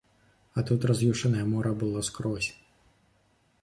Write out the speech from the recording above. А тут раз'юшанае мора было скрозь.